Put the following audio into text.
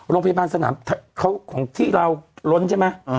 โรงพยาบาลสนามของที่เราล้นใช่ไหม